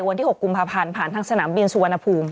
วันที่๖กุมภาพันธ์ผ่านทางสนามบินสุวรรณภูมิ